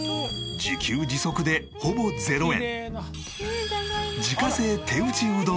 自給自足でほぼ０円。